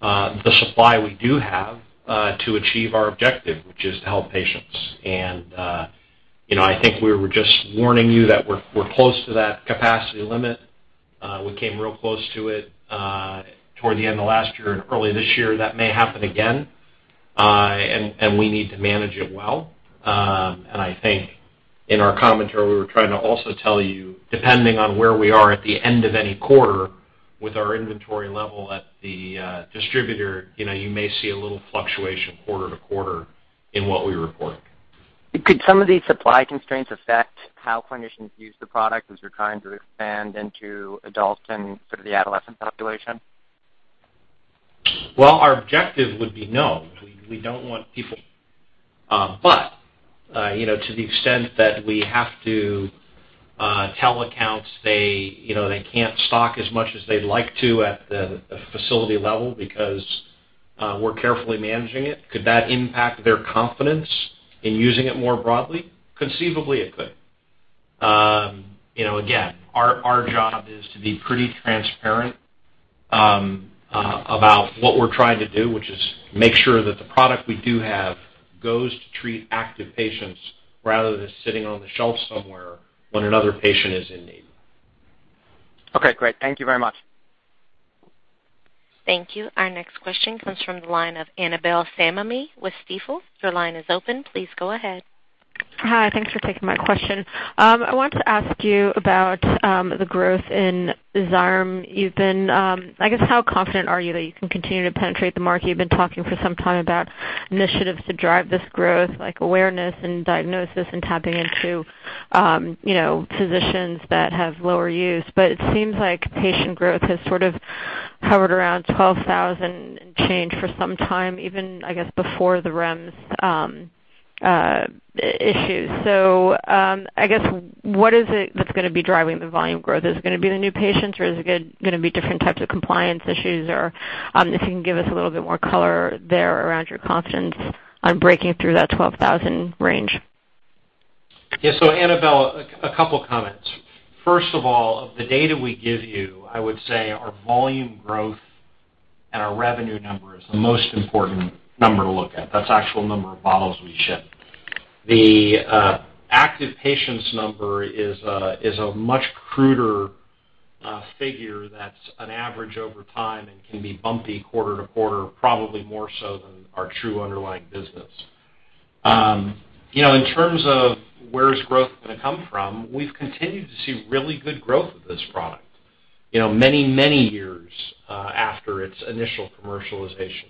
the supply we do have, to achieve our objective, which is to help patients. You know, I think we were just warning you that we're close to that capacity limit. We came real close to it toward the end of last year and early this year. That may happen again. We need to manage it well. I think in our commentary, we were trying to also tell you, depending on where we are at the end of any quarter with our inventory level at the distributor, you know, you may see a little fluctuation quarter to quarter in what we report. Could some of these supply constraints affect how clinicians use the product as you're trying to expand into adults and sort of the adolescent population? Well, our objective would be no. We don't want people, you know, to the extent that we have to tell accounts they, you know, they can't stock as much as they'd like to at the facility level because we're carefully managing it, could that impact their confidence in using it more broadly? Conceivably, it could. You know, again, our job is to be pretty transparent about what we're trying to do, which is make sure that the product we do have goes to treat active patients rather than sitting on the shelf somewhere when another patient is in need. Okay, great. Thank you very much. Thank you. Our next question comes from the line of Annabel Samimy with Stifel. Your line is open. Please go ahead. Hi. Thanks for taking my question. I wanted to ask you about the growth in Xyrem. You've been I guess how confident are you that you can continue to penetrate the market? You've been talking for some time about initiatives to drive this growth, like awareness and diagnosis and tapping into, you know, physicians that have lower use. It seems like patient growth has sort of hovered around 12,000 and change for some time, even I guess before the REMS issue. I guess what is it that's gonna be driving the volume growth? Is it gonna be the new patients, or is it gonna be different types of compliance issues, or if you can give us a little bit more color there around your confidence on breaking through that 12,000 range. Yeah. Annabel, a couple comments. First of all, of the data we give you, I would say our volume growth and our revenue number is the most important number to look at. That's actual number of bottles we ship. The active patients number is a much cruder figure that's an average over time and can be bumpy quarter to quarter, probably more so than our true underlying business. You know, in terms of where is growth gonna come from, we've continued to see really good growth of this product, you know, many, many years after its initial commercialization.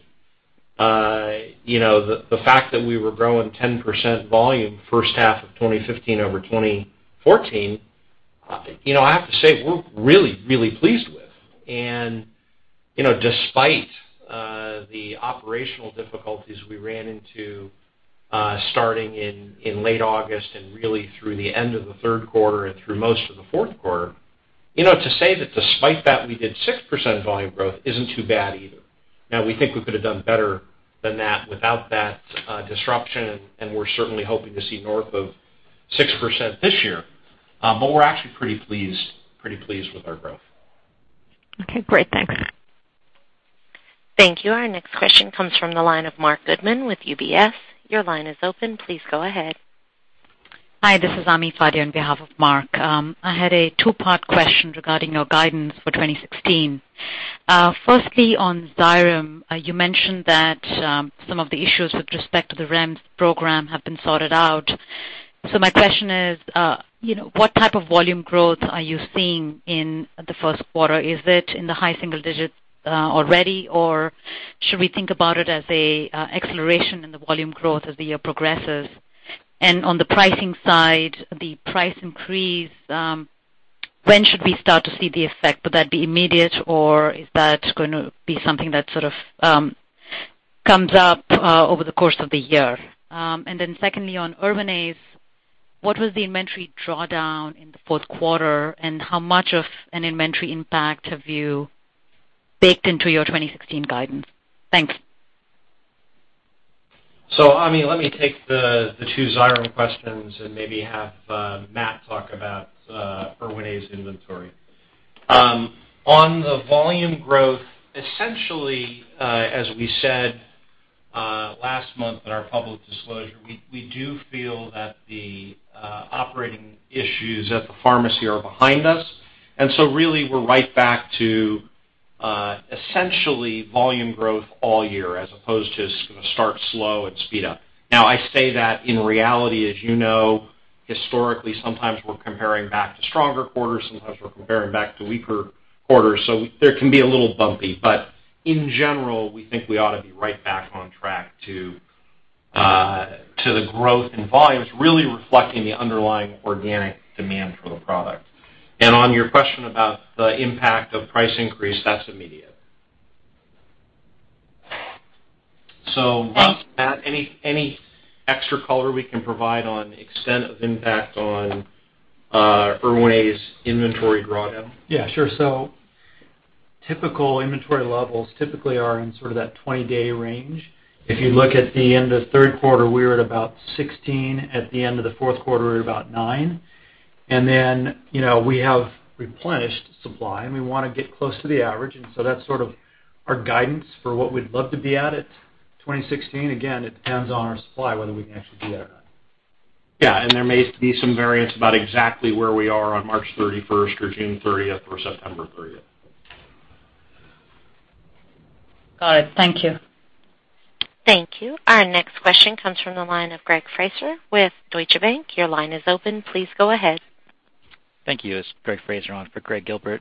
You know, the fact that we were growing 10% volume first half of 2015 over 2014, you know, I have to say we're really, really pleased with. You know, despite the operational difficulties we ran into starting in late August and really through the end of the third quarter and through most of the fourth quarter, you know, to say that despite that, we did 6% volume growth isn't too bad either. Now, we think we could have done better than that without that disruption, and we're certainly hoping to see north of 6% this year. We're actually pretty pleased, pretty pleased with our growth. Okay, great. Thanks. Thank you. Our next question comes from the line of Marc Goodman with UBS. Your line is open. Please go ahead. Hi, this is Ami Fadia on behalf of Marc Goodman. I had a two-part question regarding your guidance for 2016. Firstly, on Xyrem, you mentioned that some of the issues with respect to the REMS program have been sorted out. My question is, you know, what type of volume growth are you seeing in the first quarter? Is it in the high single digits already, or should we think about it as an acceleration in the volume growth as the year progresses? And on the pricing side, the price increase, when should we start to see the effect? Would that be immediate, or is that gonna be something that sort of comes up over the course of the year? Secondly, on Erwinaze, what was the inventory drawdown in the fourth quarter, and how much of an inventory impact have you baked into your 2016 guidance? Thanks. Ami, let me take the two Xyrem questions and maybe have Matt talk about Erwinaze's inventory. On the volume growth, essentially, as we said last month in our public disclosure, we do feel that the operating issues at the pharmacy are behind us. Really we're right back to essentially volume growth all year as opposed to start slow and speed up. Now, I say that in reality, as you know, historically, sometimes we're comparing back to stronger quarters, sometimes we're comparing back to weaker quarters, so there can be a little bumpy. In general, we think we ought to be right back on track to the growth in volumes, really reflecting the underlying organic demand for the product. On your question about the impact of price increase, that's immediate. Matt, any extra color we can provide on extent of impact on Erwinaze's inventory drawdown? Yeah, sure. Typical inventory levels typically are in sort of that 20-day range. If you look at the end of third quarter, we're at about 16. At the end of the fourth quarter, we're at about nine. You know, we have replenished supply, and we wanna get close to the average. That's sort of our guidance for what we'd love to be at in 2016. Again, it depends on our supply, whether we can actually do that or not. Yeah, there may be some variance about exactly where we are on March 31st or June 30th or September 30th. Got it. Thank you. Thank you. Our next question comes from the line of Greg Fraser with Deutsche Bank. Your line is open. Please go ahead. Thank you. It's Greg Fraser on for Gregg Gilbert.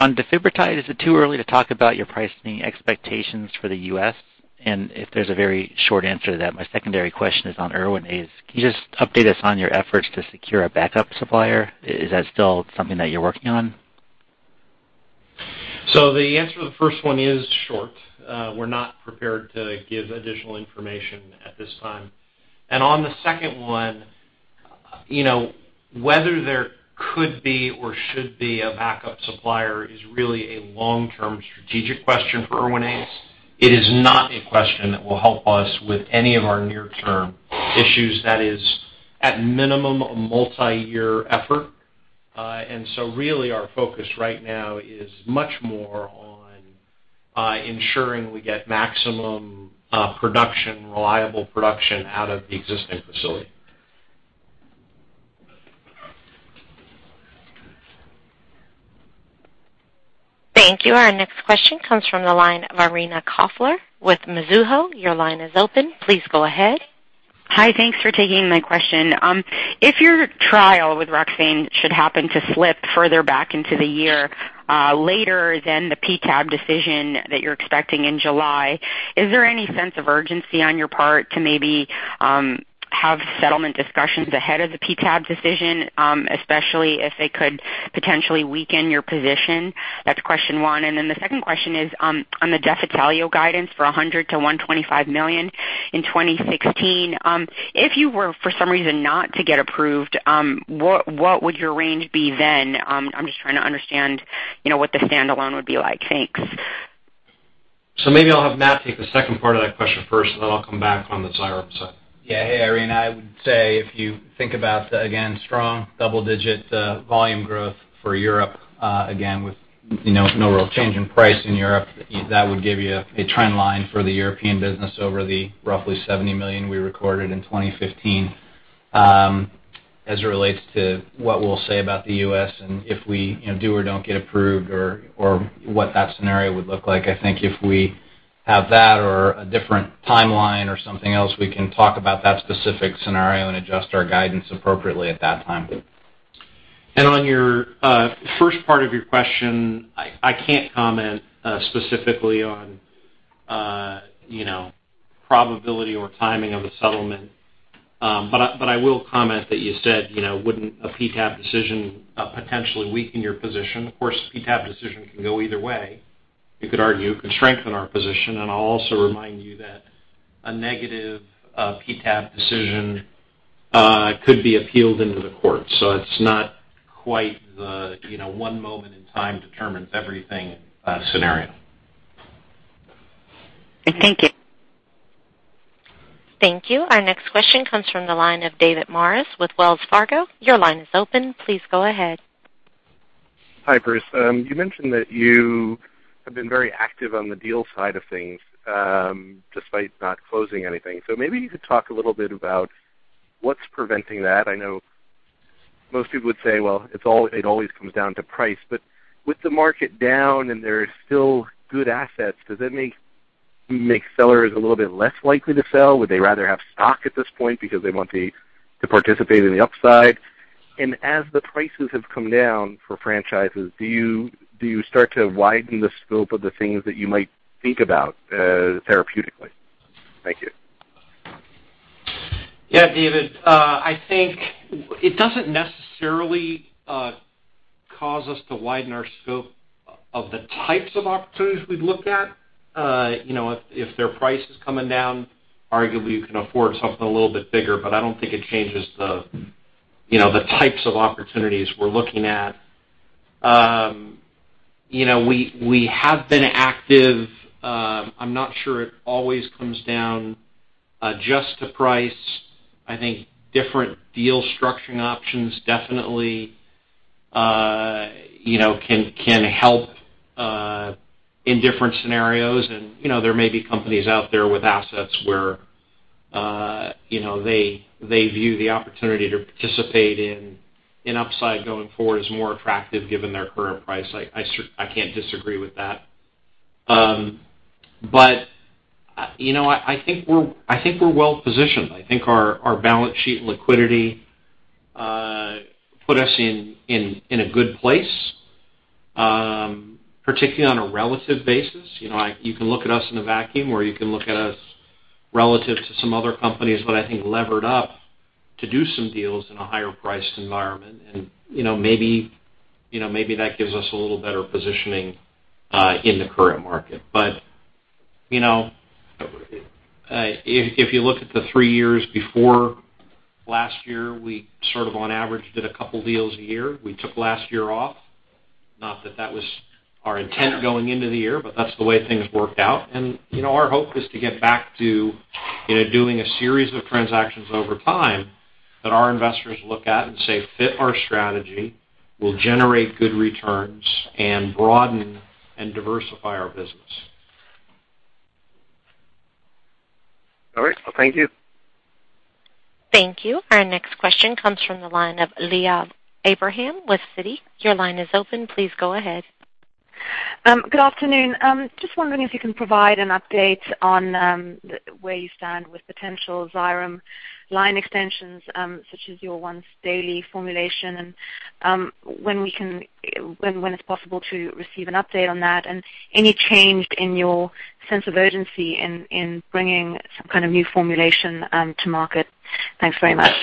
On defibrotide, is it too early to talk about your pricing expectations for the U.S.? If there's a very short answer to that, my secondary question is on Erwinaze. Can you just update us on your efforts to secure a backup supplier? Is that still something that you're working on? The answer to the first one is short. We're not prepared to give additional information at this time. On the second one, you know, whether there could be or should be a backup supplier is really a long-term strategic question for Erwinaze. It is not a question that will help us with any of our near-term issues. That is at minimum, a multi-year effort. Really our focus right now is much more on ensuring we get maximum production, reliable production out of the existing facility. Thank you. Our next question comes from the line of Irina Koffler with Mizuho. Your line is open. Please go ahead. Hi. Thanks for taking my question. If your trial with Roxane should happen to slip further back into the year, later than the PTAB decision that you're expecting in July, is there any sense of urgency on your part to maybe have settlement discussions ahead of the PTAB decision, especially if they could potentially weaken your position? That's question one. The second question is, on the Defitelio guidance for $100 million-$125 million in 2016, if you were for some reason not to get approved, what would your range be then? I'm just trying to understand, you know, what the standalone would be like. Thanks. Maybe I'll have Matt take the second part of that question first, and then I'll come back on the Xyrem side. Yeah. Hey, Irina. I would say if you think about, again, strong double-digit volume growth for Europe, again, with, you know, no real change in price in Europe, that would give you a trend line for the European business over the roughly $70 million we recorded in 2015. As it relates to what we'll say about the US, and if we, you know, do or don't get approved or what that scenario would look like, I think if we have that or a different timeline or something else, we can talk about that specific scenario and adjust our guidance appropriately at that time. On your first part of your question, I can't comment specifically on you know, probability or timing of a settlement. I will comment that you said, you know, wouldn't a PTAB decision potentially weaken your position? Of course, PTAB decision can go either way. You could argue it could strengthen our position, and I'll also remind you that a negative PTAB decision could be appealed to the court. It's not quite the you know, one moment in time determines everything, scenario. Thank you. Thank you. Our next question comes from the line of David Maris with Wells Fargo. Your line is open. Please go ahead. Hi, Bruce. You mentioned that you have been very active on the deal side of things, despite not closing anything. Maybe you could talk a little bit about what's preventing that. I know most people would say, "Well, it's all, it always comes down to price." With the market down and there are still good assets, does that make sellers a little bit less likely to sell? Would they rather have stock at this point because they want to participate in the upside? As the prices have come down for franchises, do you start to widen the scope of the things that you might think about, therapeutically? Thank you. Yeah, David. I think it doesn't necessarily cause us to widen our scope of the types of opportunities we'd look at. You know, if their price is coming down, arguably you can afford something a little bit bigger, but I don't think it changes the types of opportunities we're looking at. You know, we have been active. I'm not sure it always comes down just to price. I think different deal structuring options definitely can help in different scenarios. You know, there may be companies out there with assets where they view the opportunity to participate in an upside going forward as more attractive given their current price. I can't disagree with that. But you know what? I think we're well-positioned. I think our balance sheet liquidity put us in a good place, particularly on a relative basis. You know, you can look at us in a vacuum or you can look at us relative to some other companies, but I think levered up to do some deals in a higher priced environment and, you know, maybe, you know, maybe that gives us a little better positioning in the current market. You know, if you look at the three years before last year, we sort of on average did a couple deals a year. We took last year off, not that that was our intent going into the year, but that's the way things worked out. you know, our hope is to get back to, you know, doing a series of transactions over time that our investors look at and say fit our strategy, will generate good returns and broaden and diversify our business. All right. Well, thank you. Thank you. Our next question comes from the line of Liav Abraham with Citi. Your line is open. Please go ahead. Good afternoon. Just wondering if you can provide an update on where you stand with potential Xyrem line extensions, such as your once daily formulation, and when we can, when it's possible to receive an update on that, and any change in your sense of urgency in bringing some kind of new formulation to market? Thanks very much.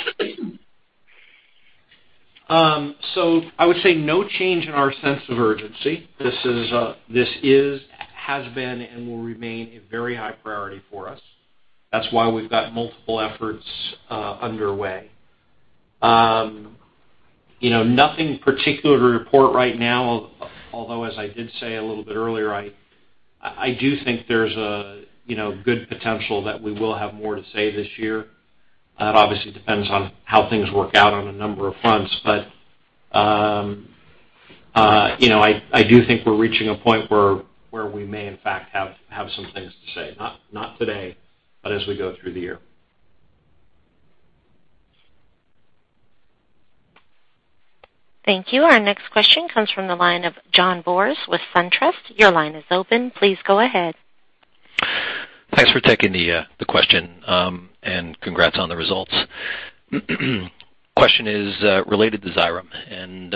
I would say no change in our sense of urgency. This is, has been, and will remain a very high priority for us. That's why we've got multiple efforts underway. You know, nothing particular to report right now, although, as I did say a little bit earlier, I do think there's a good potential that we will have more to say this year. That obviously depends on how things work out on a number of fronts. You know, I do think we're reaching a point where we may, in fact, have some things to say. Not today, but as we go through the year. Thank you. Our next question comes from the line of John Boris with SunTrust. Your line is open. Please go ahead. Thanks for taking the question, and congrats on the results. Question is related to Xyrem, and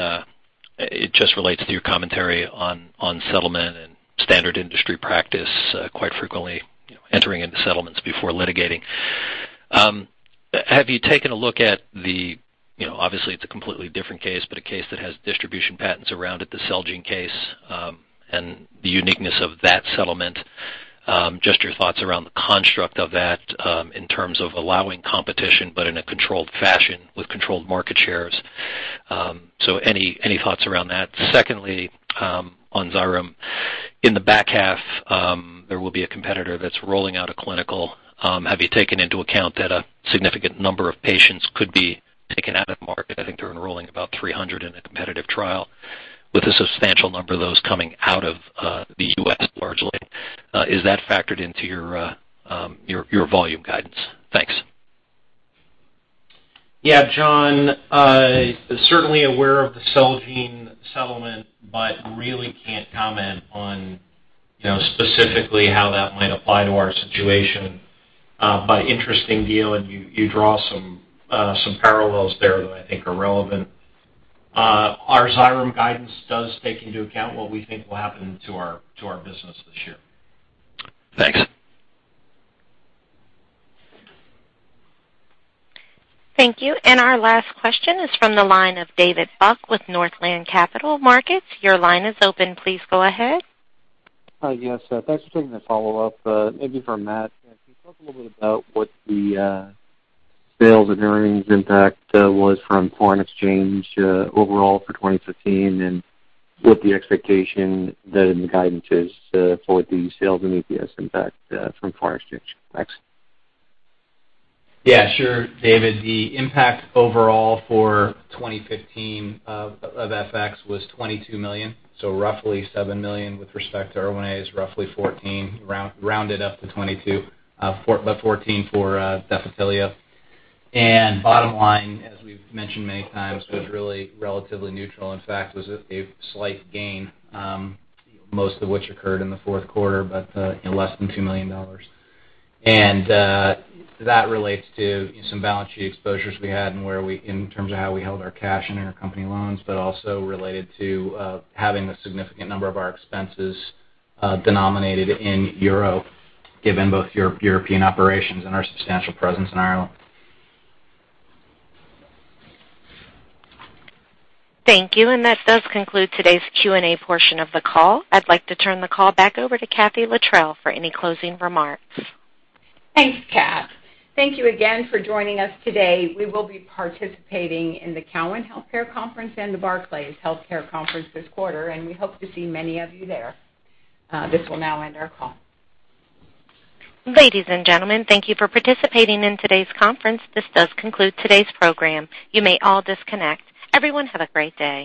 it just relates to your commentary on settlement and standard industry practice, quite frequently, you know, entering into settlements before litigating. Have you taken a look at the, you know, obviously it's a completely different case, but a case that has distribution patents around it, the Celgene case, and the uniqueness of that settlement, just your thoughts around the construct of that, in terms of allowing competition but in a controlled fashion with controlled market shares. Any thoughts around that? Secondly, on Xyrem, in the back half, there will be a competitor that's rolling out a generic. Have you taken into account that a significant number of patients could be taken out of the market? I think they're enrolling about 300 in a competitive trial, with a substantial number of those coming out of the U.S. largely. Is that factored into your volume guidance? Thanks. Yeah. John, certainly aware of the Celgene settlement, but really can't comment on, you know, specifically how that might apply to our situation. Interesting deal, and you draw some parallels there that I think are relevant. Our Xyrem guidance does take into account what we think will happen to our business this year. Thanks. Thank you. Our last question is from the line of David Buck with Northland Capital Markets. Your line is open. Please go ahead. Yes. Thanks for taking the follow-up. Maybe for Matt, can you talk a little bit about what the sales and earnings impact was from foreign exchange overall for 2015 and what the expectation and the guidance is for the sales and EPS impact from foreign exchange? Thanks. Yeah, sure. David, the impact overall for 2015 of FX was $22 million, so roughly $7 million with respect to Erwinaze is roughly $14 million rounded up to $22 million, but $14 million for Defitelio. Bottom line, as we've mentioned many times, was really relatively neutral. In fact, was at a slight gain, most of which occurred in the fourth quarter, but you know, less than $2 million. That relates to some balance sheet exposures we had and in terms of how we held our cash in our company loans, but also related to having a significant number of our expenses denominated in Euro, given both European operations and our substantial presence in Ireland. Thank you. That does conclude today's Q&A portion of the call. I'd like to turn the call back over to Kathee Littrell for any closing remarks. Thanks, Kat. Thank you again for joining us today. We will be participating in the Cowen Healthcare Conference and the Barclays Healthcare Conference this quarter, and we hope to see many of you there. This will now end our call. Ladies and gentlemen, thank you for participating in today's conference. This does conclude today's program. You may all disconnect. Everyone, have a great day.